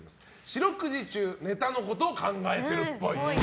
四六時中ネタのこと考えてるっぽい。